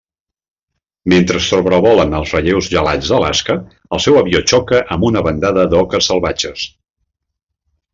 Mentre sobrevolen els relleus gelats d'Alaska, el seu avió xoca amb una bandada d'oques salvatges.